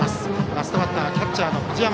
ラストバッターはキャッチャーの藤山。